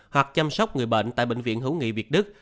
hoặc chăm sóc người bệnh tại bệnh viện hữu nghị việt đức